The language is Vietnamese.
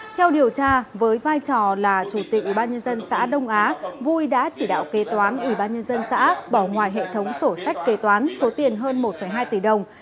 theo điều tra với vai trò là chủ tịch ubnd xã đông á vui đã chỉ đạo kế toán ubnd xã bỏ ngoài hệ thống sổ sách kế toán số tiền hơn một hai tỷ đồng